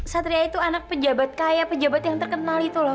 satria itu anak pejabat kaya pejabat yang terkenal itu loh